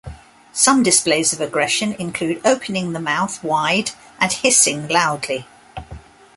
Some displays of aggression include opening the mouth wide and hissing loudly.